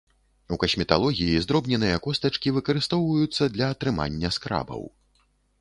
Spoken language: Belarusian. У касметалогіі здробненыя костачкі выкарыстоўваюцца для атрымання скрабаў.